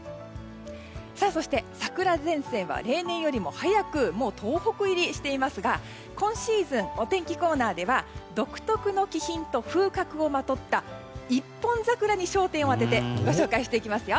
そして桜前線は例年よりも早く東北入りしていますが今シーズン、お天気コーナーでは独特の気品と風格をまとった一本桜に焦点を当ててご紹介していきますよ。